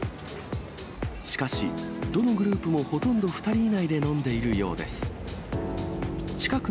しかし、どのグループもほとんど２人以内で飲んでいるようです。